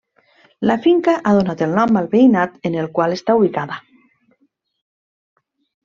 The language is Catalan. La finca ha donat el nom al veïnat en el qual està ubicada.